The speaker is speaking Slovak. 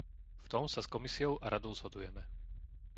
V tom sa s Komisiou a Radou zhodujeme.